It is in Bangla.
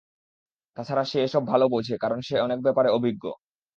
তাছাড়া সে এসব ভালো বোঝে কারণ সে অনেক ব্যাপারে অভিজ্ঞ।